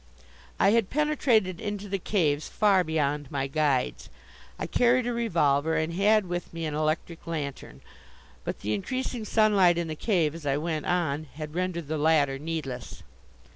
I had penetrated into the caves far beyond my guides. I carried a revolver and had with me an electric lantern, but the increasing sunlight in the cave as I went on had rendered the latter needless.